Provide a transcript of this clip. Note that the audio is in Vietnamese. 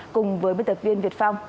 cùng với biên tập viên việt phong